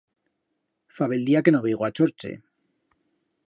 Fa bel día que no veigo a Chorche.